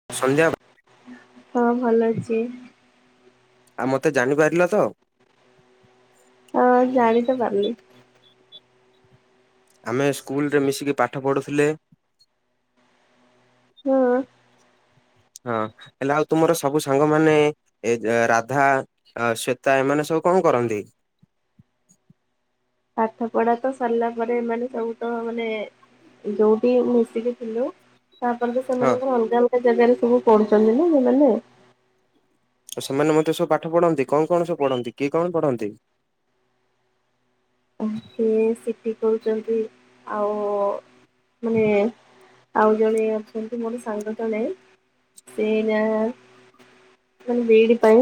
[unintelligible] ହଁ ଭଲ ଅଛି। ଆ ମତେ ଜାଣିପାରିଲ ତ? ହଁ ଜାଣି ତ ପାରିଲି‌। ଆମେ ସ୍କୁଲରେ ମିଶିକି ପାଠ ପଢ଼ୁଥିଲେ। ହଁ। ହଁ ହେଲେ ଆଉ ତୁମର ସବୁ ସାଙ୍ଗ ମାନ, ଏ ରାଧା ଆ ସ୍ବେତା ଏମାନେ ସବୁ କଣ କରନ୍ତି? ପାଠ ପଢା ତ ସରିଲା ପରେ, ଏ ମାନେ ସବୁ ତ ମାନେ ଯୋଉଠି ମିଶିକି ଥିଲୁ ତାପରେ ତ ହଁ ସେମାନଙ୍କର ଅଲଗା ଅଲଗା ଜାଗାରେ ସବୁ ପଢୁଛନ୍ତି ନା ସେମାନେ। ଆଉ ସେମାନେ ମଧ୍ୟ ସବୁ ପାଠ ପଢନ୍ତି, କଣ କଣ ସବୁ ପଢନ୍ତି? କିଏ କଣ ପଢନ୍ତି? ବିଏ ସିଟି କରୁଛନ୍ତି, ଆଉ ମାନେ ଆଉ ଜଣେ ଅଛନ୍ତି ମୋର ସାଙ୍ଗ ଜଣେ, ସେଇଯା ମାନେ ବିଇଡି ପାଇଁ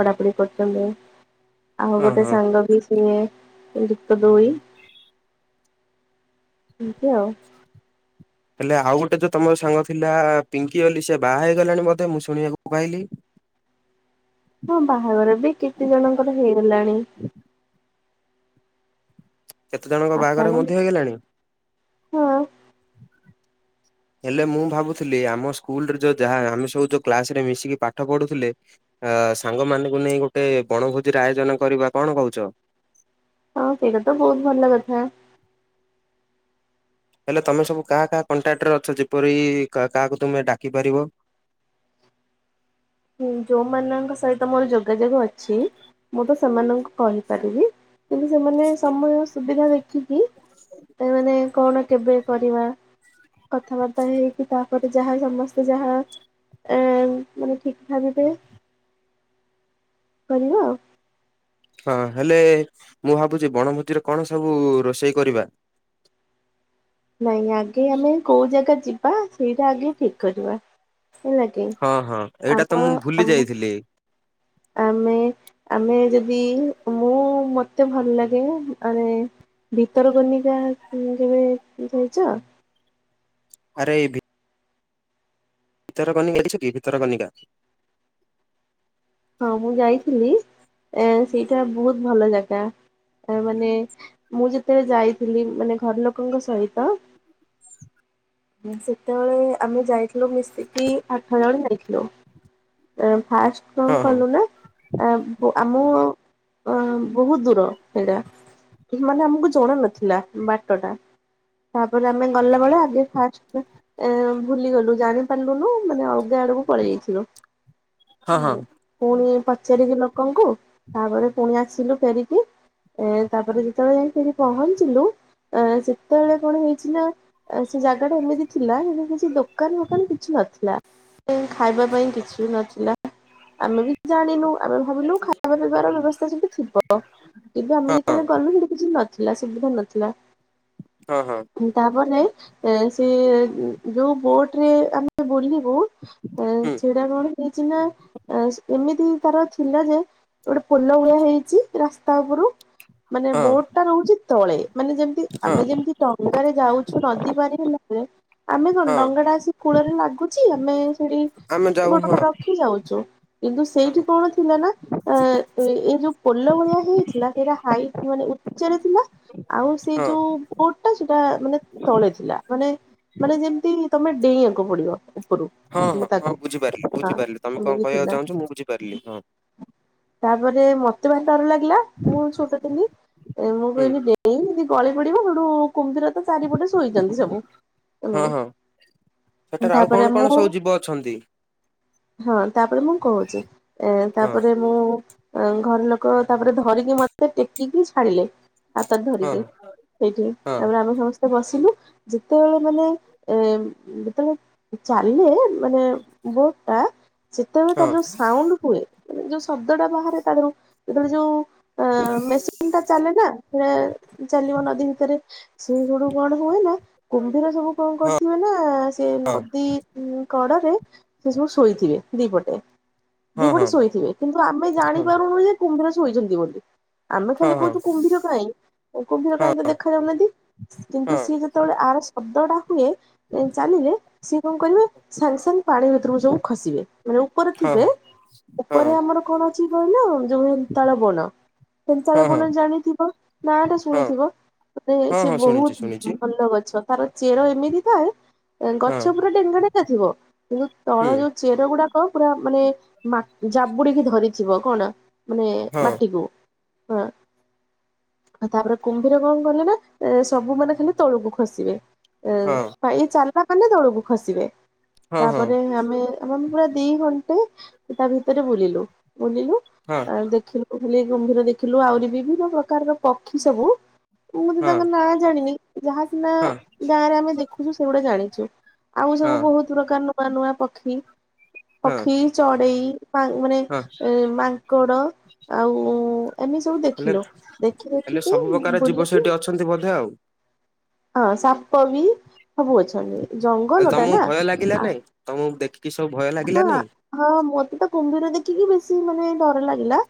ପଢାପଢି କରୁଛନ୍ତି। ଆମ ଗୋଟେ ଓହୋ ସାଙ୍ଗ ବି ସିଏ ଯୁକ୍ତ ଦୁଇ ଏମତି ଆଉ। ହେଲେ ଆଉ ଗୋଟେ ଯୋଉ ତମର ସାଙ୍ଗ ଥିଲା, ପିଙ୍କି ବୋଲି ସେ ବାହା ହେଇଗଲାଣି ବୋଧେ, ମୁଁ ଶୁଣିବାକୁ ପାଇଲି। ହଁ ବାହାଘର ବି କେତେ ଜଣଙ୍କର ହେଇଗଲାଣି। କେତେ ଜଣଙ୍କ ବାହାଘର ଆଚାନକ ମଧ୍ୟ ହେଇଗଲାଣି! ହଁ। [inaudible] ହେଲେ ମୁଁ ଭାବୁଥିଲି, ଆମ ସ୍କୁଲରେ ଯୋଉ ଯାହା ଆମେ ସବୁ ଯୋଉ କ୍ଲାସ ରେ ମିଶିକି ପାଠ ପଢୁଥିଲେ ଅ ସାଙ୍ଗମାନାନଙ୍କୁ ନେଇ ଗୋଟେ ବଣଭୋଜିର ଆୟୋଜନ କରିବା, କଣ କହୁଛ? ହଁ ସେଇଟା ତ ବହୁତ ଭଲ କଥା। ହେଲେ ତମେ ସବୁ କାହା କାହା କଣ୍ଟାକ୍ଟ୍ ରେ ଅଛ? ଯେପରି କାହାକୁ ତୁମେ ଡାକିପାରିବ। ଁ ଯୋଉମାନଙ୍କ ସହିତ ମୋର ଯୋଗାଯୋଗ ଅଛି, ମୁଁ ତ ସେମାନଙ୍କୁ କହିପାରିବି। କିନ୍ତୁ ସେମାନେ ସମୟ ସୁବିଧା ଦେଖିକି, ଏମାନେ କଣ କେବେ କରିବା? କଥାବାର୍ତ୍ତା ହେଇକି ତାପରେ ଯାହା ସମସ୍ତେ ଯାହା, ଏଁ ଠିକ୍ ଭାବିବେ। କରିବା ଆଉ। ହଁ ହେଲେ ମୁଁ ଭାବୁଛି ବଣଭୋଜିରେ କଣ ସବୁ ରୋଷେଇ କରିବା? ନାଇଁ ଆଗେ ଆମେ କୋଉ ଜାଗା ଯିବା ସେଇଟା ଆଗେ ଠିକ କରିବା। ହେଲା? କି ହଁ ହଁ ଏଇଟା ଆମ ତ ମୁଁ ଭୁଲି ଆମ ଯାଇଥିଲି। ଆମେ ଆମେ ଯଦି, ମୁଁ ମତେ ଭଲ ଲାଗେ ମାନେ ଭିତରକନିକା କେବେ ଯାଇଛ? ଆରେ ଭି ଭିତରକନିକା ଦେଖିଛୁ କି ଭିତରକନିକା? ହଁ ମୁଁ ଯାଇଥିଲି, ଏଁ ସେଇଟା ବହୁତ ଭଲ ଜାଗା। ଆ ମାନେ ମୁଁ ଯେତେବେଳେ ଯାଇଥିଲି, ମାନେ ଘର ଲୋକଙ୍କ ସହିତ ସେତେବେଳେ ଆମେ ଯାଇଥିଲୁ ମିଶିକି, ଆଠ ଜଣ ଯାଇଥିଲୁ। ଫାଷ୍ଟ ହଁ କଣ ହଁ କଲୁ ନା? ଆ ଆମ ଅ ବହୁତ ଦୂର ସେଇଟା। ମାନେ ଆମକୁ ଜଣା ନଥିଲା, ବାଟ ଟା। ତାପରେ ଆମେ ଗଲା ବେଳେ ଆଗେ ଏଁ ଭୁଲିଗଲୁ, ଜାଣିପାରିଲୁନୁ ମାନେ ଅଲଗା ଆଡକୁ ପଳେଇ ଯାଇଥିଲୁ। ହଁ ହଁ। ପୁଣି ପଚାରିକି ଲୋକଙ୍କୁ, ତାପରେ ପୁଣି ଆସିଲୁ ଫେରିକି। ଏ, ତାପରେ ଯେତେବେଳେ ଯାଇ ପୁଣି ପହଞ୍ଚିଲୁ, ଆ ସେତେବେଳେ କଣ ହେଇଛି ନା ସେ ଜାଗା ଟା ଏମିତି ଥିଲା, କିଛି ଦୋକାନ-ଫୋକାନ କିଛି ନଥିଲା। [unintelligible] ଖାଇବା ପାଇଁ କିଛି ନଥିଲା। ଆମେ ବି ଜାଣିନୁ, ଆମେ ଭାବିଲୁ ଖାଇବା ପିଇବାର ବ୍ୟବସ୍ଥା ସେଠି ଥିବ। ଏବେ ହଁ ଆମେ ଯେତେବେଳେ ଗଲୁ, ସେଠି କିଛି ନଥିଲା, ସୁବିଧା ନଥିଲା। ହଁ, ହଁ। ତାପରେ ଏ, ସେ ଯୋଉ ବୋଟ୍ ରେ ଆମେ ବୁଲି ହଉ, ହୁଁ ସେଇ ଟା କଣ ହେଇଛି ନା, ଏମିତି ତାର ଥିଲା ଯେ ଗୋଟେ ପୋଲ ଭଳିଆ ହେଇଛି, ରାସ୍ତା ଉପରୁ ମାନେ ହଁ ବହୁତ ଏଇଟା ରହୁଛି ତଳେ, ମାନେ ଯେମତି ହଁ ଆମେ ଯେମିତି ଡଙ୍ଗାରେ ଯାଉଛୁ, ନଦୀ ପାରି ହେଲାବେଳେ ଆମେ କଣ ହଁ ଡଙ୍ଗା ଟା ଆସି କୂଳରେ ଲାଗୁଛି, ଆମେ ସେଠି ଆମେ ଯାଉ ଗୋଡ଼ଟା ହଁ ରଖି ଯାଉଛୁ। କିନ୍ତୁ ହଁ ସେଇଠି କଣ ଥିଲା ନା ଅ, ଏଇ ଯୋଉ ପୋଲ ଭଳିଆ ହେଇଥିଲା, ସେଇଟା ହାଇଟ୍ ଭଳି ଉଚ୍ଚରେ ଥିଲା। ଆଉ ସେ ହଁ ଯୋଉ ବୋଟ୍ ଟା ସେଟା ମାନେ ତଳେ ଥିଲା, ମାନେ ମାନେ ଯେମିତି ତମେ ଡେଇଁବାକୁ ପଡିବ ଉପରକୁ। ହଁ ହଁ ହଁ, ବୁଝିପାରିଲି, ବୁଝିପାରିଲି, ତମେ କଣ କହିବାକୁ ଥିଲା ଚାହୁଁଛ, ମୁଁ ବୁଝିପାରିଲି, ହଁ। ତାପରେ ମତେ ଭାରି ଡର ଲାଗିଲା, ମୁଁ ଛୋଟ ଥିଲି। ମୁଁ ହୁଁ କହିଲି, ଡେଇଁବି ଯଦି ଗଳି ପଡିବ, ସେଠୁ କୁମ୍ଭିର ତ ଚାରିପଟେ ଶୋଇଛନ୍ତି ସବୁ। ହଁ, ହଁ, ସେଠାରେ ଆଉ ତାପରେ କଣ କଣ ମୁଁ ସବୁ ଜୀବ ଅଛନ୍ତି? ହଁ, ତାପରେ ମୁଁ କହୁଚି। ଏ ହଁ ତାପରେ ମୁଁ ଆଁ, ଘର ଲୋକ ତାପରେ ଧରିକି ମତେ ଟେକିକି ଛାଡିଲେ। ହାତରେ ହଁ ଧରିକି ସେଇଠି, ହଁ ତାପରେ ଆମେ ସମସ୍ତେ ବସ ଲୁ, ଯେତେବେଳେ ମାନେ ଏଁ, ଯେତେବେଳେ ଚାଲିଲେ, ମାନେ ବୋଟ୍ ଟା ସେତେବେଳେ ହଁ ହଁ ତାର ଯୋଉ ସାଉଣ୍ଡ ହୁଏ, ମାନେ ଯୋଉ ଶବ୍ଦ ଟା ବାହାରେ, ତାଧେରୁ ଯେତେବେଳେ ଯୋଉ ଆଁ, ମେସିନ୍ ଟା ଚାଲେ ନା, ହେଲେ ଚାଲିବ ନଦୀ ଭିତରେ, ସେ ସେଠୁ କଣ ହୁଏ ନା, କୁମ୍ଭୀର ସବୁ କଣ ହଁ କରିଥିବେ ନା, ସେ ନଦୀ ଉଁ, କଡ଼ରେ ସେ ସବୁ ଶୋଇଥିବେ ଦିପଟେ। ହଁ ଦିପଟେ ହଁ ଶୋଇଥିବେ, କିନ୍ତୁ ଆମେ ହଁ ଜାଣିପାରୁନୁ ଯେ କୁମ୍ଭୀର ଶୋଇଛନ୍ତି ବୋଲି। ଆମେ ହଁ ଖାଲି କହୁଚୁ, କୁମ୍ଭୀର କାଇଁ, କୁମ୍ଭୀର ହଁ କାଇଁ ତ ଦେଖା ଯାଉନାହାନ୍ତି, କିନ୍ତୁ ହଁ ସିଏ ଯେ ଯେତେବେଳେ ଆର ଶବ୍ଦ ଟା ହୁଏ, ଏଁ ଚାଲିଲେ ସିଏ କଣ କରିବେ, ସାଙ୍ଗେ ସାଙ୍ଗେ ପାଣି ଭିତରକୁ ସବୁ ଖସିବେ, ମାନେ ଉପରେ ହଁ ଥିବେ ହଁ। ଉପରେ ଆମର କଣ ଅଛି କହିଲ, ଯୋଉ ହେନ୍ତାଳ ବଣ। ହେନ୍ତାଳ ହଁ ହଁ ହଁ ବଣ ଜାଣିଥିବ ନା, ଟା ହଁ ଶୁଣିଥିବ ଏ ହଁ ସେ ହଁ ଶୁଣିଛି ଶୁଣିଛି ଫୁଲଗଛ ତାର ଚେର ଏମିତି ଥାଏ ଏଁ, ହଁ ଗଛ ପୁରା ଡେଙ୍ଗା ଡେଙ୍ଗା ଥିବ, କିନ୍ତୁ ହୁଁ ତଳ ଯୋଉ ଚେର ଗୁଡ଼ାକ ପୁରା ମାନେ ମା ଜାବୁଡିକି ଧରିଯିବ କଣ ମାନେ ହଁ ମାଟିକୁ। ହଁ, ତାପରେ କୁମ୍ଭୀର କଣ କଲେ ନା ଏ ସବୁ ମାନେ ଖାଲି ତଳକୁ ଖସିବେ, ଏ ହଁ ଆଇ ଚାଲିଲା ମାନେ ତଳୁକୁ ଖସିବେ। ହଁ ହଁ ତାପରେ ଆମେ, ଆମ ପୁରା ଦି ଘଣ୍ଟା ତା ଭିତରେ ବୁଲିଲୁ ବୁଲିଲୁ ହଁ ଆ, ଦେଖିଲୁ ଖାଲି କୁମ୍ଭୀର ଦେଖିଲୁ, ଆହୁରି ବିଭିନ୍ନ ପ୍ରକାରର ପକ୍ଷୀ ସବୁ ଉ ହଁ ତାଙ୍କ ନାଁ ଜାଣିନି, ଯାହା ସିନା ହଁ ଗାଁରେ ଆମେ ଦେଖୁଚୁ, ସେଗୁଡା ଜାଣିଚୁ ଆଉ ସବୁ ହଁ ବହୁତ ପ୍ରକାର ନୂଆ ନୂଆ ପକ୍ଷୀ ହଁ ପକ୍ଷୀ ଚଢେଇ ମାଙ୍କ ମାନେ ହଁ ଏ ମାଙ୍କଡ ଆଉ ଉ ଉ ଊ? ଏମି ସବୁ ହେଲେ ଦେଖିଲୁ ଦେଖି ହେଲେ ଦେଖିକି ସବୁ ପ୍ରକାର ଜୀବ ବୁଲିକି? ସେଇଠି ଅଛନ୍ତି ବୋଧେ ଆଉ। ହଁ ସାପ ବି ସବୁ ଅଛନ୍ତି ଆଉ ଜଙ୍ଗଲ ଟା ତମକୁ ନା ଭୟ ଲାଗିଲା ଆଉ? ନାଇଁ ତମକୁ ଦେଖିକି ସବୁ ଭୟ ହଁ ଲାଗିଲା ନାଇଁ। ହଁ ମତେ ତ କୁମ୍ଭୀର ଦେଖିକି ବେଶୀ ମାନେ ଡର ଲାଗିଲା।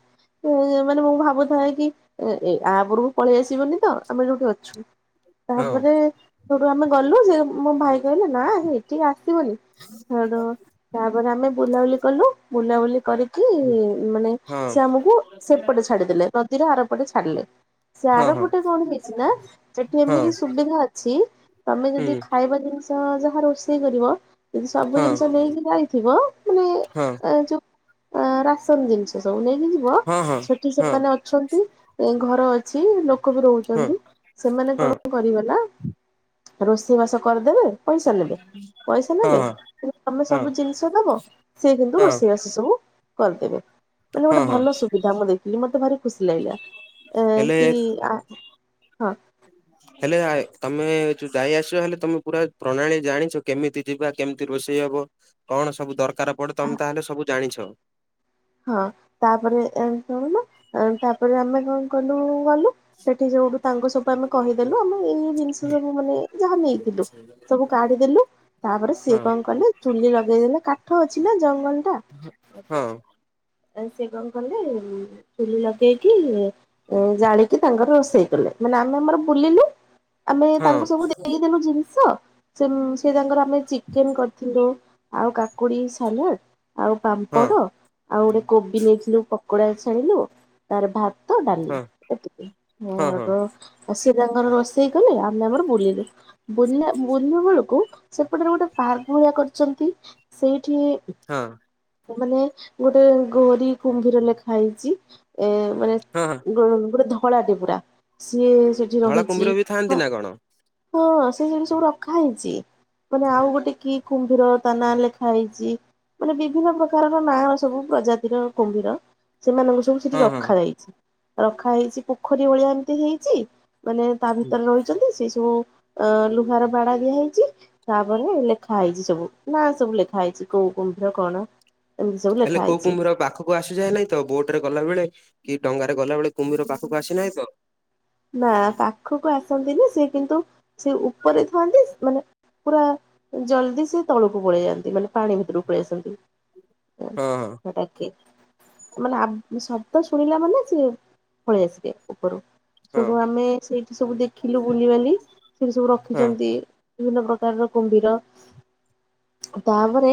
ଏ ଯୋଉ ମାନେ ମୁଁ ଭାବୁଥାଏ କି ଏ ଏ ଆ ଉପରକୁ ପଳେଇ ଆସିବନି? ତ ଆମେ ଯୋଉଟି ଅଛୁ ହଁ ତାପରେ? ସେଠୁ ଆମେ ଗଲୁ ସେ ମୋ ଭାଇ କହିଲା ନା ହେଟିକି ଆସିବନି ହେଠୁ? ତାପରେ ଆମେ ବୁଲାବୁଲି କଲୁ। ବୁଲାବୁଲି କରିକି ମାନେ ହଁ ସେ ଆମକୁ ସେପଟେ ଛାଡିଦେଲେ। ନଦୀର ଆର ପଟେ ଛାଡିଲେ। ସେ ହଁ ହଁ ଆରପଟେ କଣ ହେଇଚି ନା ସେଠି ହଁ ଏମିତି ସୁବିଧା ଅଛି। ତମେ ହୁଁ ଯଦି ଖାଇବା ଜିନିଷ ଯାହା ରୋଷେଇ କରିବ କିନ୍ତୁ ସବୁ ହଁ ଜିନିଷ ନେଇକି? ଯାଇଥିବ ମାନେ ହଁ ଏ ଯୋଉ ଆଁ ରାସନ ଜିନିଷ ସବୁ ନେଇକି ଜି? ବ ହଁ ସେଠି ହଁ ସେମାନେ ଅଛନ୍ତି ଯାଇଁ ଘର ଅଛି ଲୋ? ଲୋକ ବି ହଁ ରହୁଛନ୍ତି ସେମାନେ ହଁ କଣ କରିବେ ନା ରୋଷେଇ ବାସ କରିଦେବେ। ପଇସା ନେବେ ପଇସା ହଁ ହଁ ନେବେ କିନ୍ତୁ ଆମେ ସ? ହଁ ସବୁ ଜିନିଷ ଦବ ସି କିନ୍ତୁ ହଁ ରୋଷେଇବାଷେଇ ସବୁ କରିଦେବେ। ମାନେ ଗୋଟେ ହଁ ହଁ ଭଲ ସୁବିଧା ମୁଁ ଦେଖିଲି ମତେ ଭାରି ଖୁସି ଲାଗିଲା ଏ ହେଲେ କି ଆ? ହଁ। ହେଲେ ତମେ ଯଉ ଯାଇ ଆସଛ ହେଲେ ତମେ ପୁରା ପ୍ରଣାଳୀ ଜାଣିଛ କେମିତି? ଯିବା କେମିତି ରୋଷେଇ ହବ କଣ ସବୁ ଦରକାର ପଡେ ତମେ ତାହେଲେ ସବୁ ଜାଣିଛ। ହଁ ତାପରେ ଏତି ଦଉନୁ ତାପରେ ଆମେ କଣ କଲୁ ଗଲୁ। ସେଠି ସବୁଠୁ ତାଙ୍କ ସବୁ ଆମେ କହିଦେଲୁ ଆମେ ଏଇ ଜିନିଷ ସବୁ ମାନେ ଯାହା ନେଇଥିଲୁ। ସବୁ କାଢିଦେଲୁ ତାପରେ ସିଏ ହଁ କଣ କଲେ ଚୁଲି ଲଗେଇଦେଲେ କାଠ ଅଛି ନା ଜଙ୍ଗଲ ଟା? ହ ହଁ। ଆ ସେ କଣ କଲେ। ଚୁଲି ଲଗେଇକି ଜାଳିକି ତାଙ୍କର ରୋଷେଇ କଲେ ମାନେ ଆମେ ଆମର ବୁଲିଲୁ। ଆମେ ହଁ ତାଙ୍କୁ ସବୁ ଦେଇଦେଲୁ ଜିନିଷ ସେ ତାଙ୍କର ଆମେ ଚିକେନ କରିଥିଲୁ। ଆଉ କାକୁଡି ସାଲାଡ଼ ଆଉ ହଁ ପାମ୍ପଡ଼। ଆଉ ଗୋଟେ କୋବି ନେଇଥିଲୁ ପକୋଡା ଛାଣିଲୁ। ତାର ଭାତ ଡାଲି ହଁ ଏତିକି ମୋ ହଁ ହଁ ହଁ ଆଗ? ଅସି ତାଙ୍କର ରୋଷେଇ କଲେ ଆମେ ଆମର ବୁଲିଲୁ ବୁ ବୁଲିଲୁ ବେଳକୁ? ସେପଟରେ ଗୋଟେ ପାର୍କ ଭଳିଆ କରିଛନ୍ତି ସେଇଠି? ହଁ। ମାନେ ଗୋଟେ ଗୌରୀ କୁମ୍ଭୀର ଲେଖା ହେଇଛି ଏ ମାନେ? ହୁଁ ହୁଁ। ଗୋଟେ ଧଳାଟେ ପୁରା ସିଏ ସେଠି ଧଳା ରହିଛି କୁମ୍ଭୀର ବି ଥାଆନ୍ତି ହ? ନା କଣ ହଁ ସେ ଜିନିଷ ସବୁ ରଖା ହେଇଛି। ମାନେ ଆଉ ଗୋଟେ କି କୁମ୍ଭୀର ତା ନାଁ ଲେଖା ହେଇଛି ମାନେ ବିଭିନ୍ନ ପ୍ରକାରର ନାଁ? ସବୁ ପ୍ରଜାତିର କୁମ୍ଭୀର ସେମାନଙ୍କୁ ସବୁ ସେଠି ହଁ ହଁ ରଖାାଯାଇଛି। ରଖା ହେଇଛି ପୋଖରୀ ଭଳିଆ ଏମିତି ହେଇଛି ମାନେ ତା ହୁଁ। ଭିତରେ ରହିଛନ୍ତି ସେ ସବୁ? ଅ ଲୁହାର ର ବାଡା ଦିଆ ହେଇଛି। ତାପରେ ଲେଖା ହେଇଛି ସବୁ ନା ସବୁ ଲେଖା ହେଇଛି କୋଉ କୋଉ କୁମ୍ଭୀର କଣ? ସବୁ ହେଲେ ଲେଖା କୋଉ ହେଇଛି। କୁମ୍ଭୀର ପାଖକୁ କୁ ଆସସିଯାଏ ନାଇଁ ତ ବୋଟ ରେ ଗଲା ବେଳେ କି ଡଙ୍ଗାରେ ଗଲାବେଳେ କୁମ୍ଭୀର ପାଖକୁ ଆସିନାହିଁ ତ! ନା ପାଖକୁ ଆସନ୍ତିନି ସେ କିନ୍ତୁ ସେ ଉପରେ ଥାଆନ୍ତି ମାନେ ପୁରା ଜଲଦି ସେ ତଳକୁ ପଳେଇ ଯାଆନ୍ତି ମାନେ ପାଣି ଭିତରକୁ ପଳେଇ ଆସନ୍ତି। ହଁ ହଁ ହ ରକେ [unintelligible] ମାନେ ଅପ ଶବ୍ଦ ଶୁଣିଲା ମାନେ ସିଏ ପଳେଇ ଆସିବେ ଉପରୁକୁ। ହଁ ସେଠୁ ଆମେ ସେଇଠି ସବୁ ଦେଖିଲୁ ବୁଲିିବାଲି ସେଠି ସବୁ ହଁ ରଖିଛନ୍ତି। ବିଭିନ୍ନ ପ୍ରକାରର କୁମ୍ଭୀର। ତାପରେ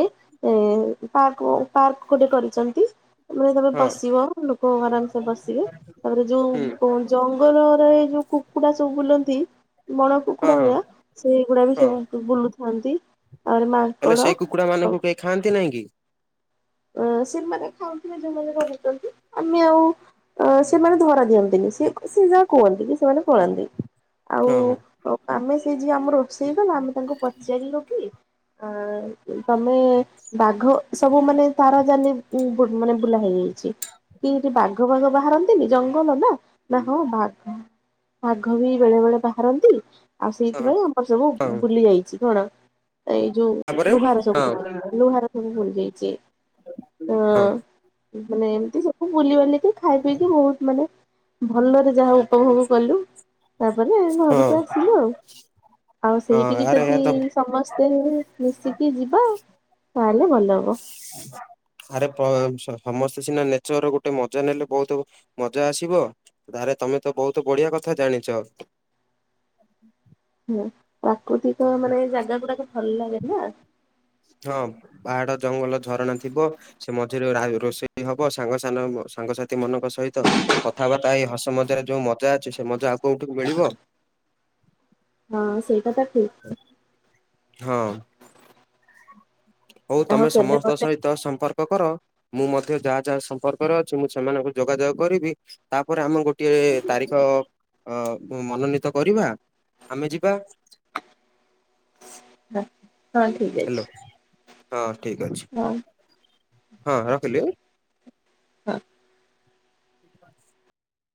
ଏ ପାର୍କ ପାର୍କ ଗୋଟେ କରିଛନ୍ତି। ମାନେ ତମେ ହଁ ବସିବ ଲୋକ ଆରାମ ସେ ବସିବେ ତାପରେ ହୁଁ ଯୋଉ ଯୋଉ ଏ ଯୋଉ କୁକୁଡା ସବୁ ବୁଲନ୍ତି। ବଣ ହଁ କୁକୁଡା ହଁ ଭଳିଆ ସେଗୁଡା ବି ହଁ ସମସ୍ତଙ୍କୁ ବୁଲୁଥାନ୍ତି ଆଉରି ମାଙ୍କଡ। କୁକୁଡା ମାନଙ୍କୁ କେହି ଖାଆନ୍ତି ନାଇଁ କି? ଅଁ ସେମାନେ ଖାଉଥିବେ ଯୋଉମାନେ ରହୁଛନ୍ତି ଆମେ ଆଉ ଅଁ ସେମାନେ ଧରା ଦିଅନ୍ତିନି ସେ ସେ ଯାହା କୁହନ୍ତି କି ସେମାନେ ପଳାନ୍ତି। ଆଉ ହଁ ହଁ ଆମେ ସେଇ ଯି ଆମ ରୋଷେଇ କଲା ଆମେ ତାଙ୍କୁ ପଚାରିଲୁ କି? ଆ ତମେ ବାଘ ସବୁ ମାନେ ତାର ଜାଲି ମାନେ ବୁଲା ହେଇଯାଇଛି। ଜିନ୍ତି ବାଘ ଫାଘ ବାହାରନ୍ତିନି ଜଙ୍ଗଲ ନା ନା ହଁ ବାଘ। ବାଘ ବି ବେଳେ ବେଳେ ବାହାରନ୍ତି ଆଉ ହଁ ସେଇଥିପାଇ ଆମର ସବୁ ହଁ ବୁଲି ଯାଇଛି କଣ? ଏଇ ତାପରେ ଯୋଉ ଲୁହାର ହଁ ସବୁ ଲୁହାର ସବୁ ବୁଲି ଯାଇଛି। ହଁ ମାନେ ଏମତି ସବୁ ବୁଲିବାଲିକି ଖାଇ ପିଇକି ବହୁତ ମାନେ ଭଲରେ ଯାହା ଉପଭୋଗ କଲୁ। ତାପରେ ହଁ ଘରକୁ ଆସିଲୁ ଆଉ ହଁ ସେଇଠିକି ଆରେ ଏହା ଯଦି ତ ସମସ୍ତ। ମିଶିକି ଯିବା ଆ ତାହେଲେ ଭଲ ହବ। ଛି ଛି। [unintelligible] ଆରେ ପ ସମସ୍ତେ ସିନା ନେଚର ଗୋଟେ ମଜା ନେଲେ ବହୁତ ମଜା ଆସିବ। ଧାରେ ତମେ ତ ବହୁତ ବଢିଆ କଥା ଜାଣିଛ। [unintelligible] ହୁଁ ପ୍ରାକୃତିକ ମାନେ ଜାଗା ଗୁରାକ ଭଲ ଲାଗେ ନା। ହଁ ପାହାଡ ଜଙ୍ଗଲ ଝରଣା ଥିବ। ସେ ମଝିରେ ରା ରୋଷେଇ ହବ ସାଙ୍ଗ ସାନ ସାଙ୍ଗସାଥି ମାନଙ୍କ ସହିତ। କଥାବାର୍ତ୍ତା ଏଇ ହସ ମଜାରେ ଯୋଉ ମଜା ଅଛି ସେ ମଜା ଆଉ କୋଉଠୁ ମିଳିବ। ହଁ ସେଇଟା ତ ଠିକ। ହଁ ହଉ ଆଉ ତମେ କେବେ ସମସ୍ତ ଗୋଟେ ସହିତ ସମ୍ପର୍କ କର ମୁଁ ମଧ୍ୟ ଯାହା ଯାହା ସମ୍ପର୍କରେ ଅଛି ମୁଁ ସେମାନଙ୍କୁ ଯୋଗାଯୋଗ କରିବି। ତାପରେ ଆମେ ଗୋଟିଏ ତାରିଖ ମନୋନୀତ କରିବା ଆମେ ଯିବା। ହଁ। [unintelligible] ଠିକ ଅଛି ହ୍ୟାଲୋ ହଁ ଠିକ ଅଛି। ହଁ ହଁ ରଖିଲି। ହଁ। [unintelligible]